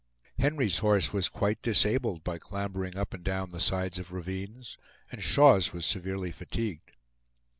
Henry's horse was quite disabled by clambering up and down the sides of ravines, and Shaw's was severely fatigued.